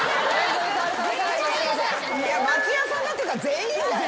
いや松也さんがっていうか全員だよ。